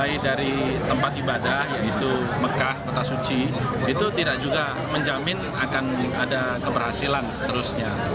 itu tidak juga menjamin akan ada keberhasilan seterusnya